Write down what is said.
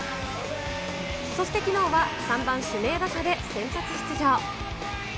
そしてきのうは３番指名打者で先発出場。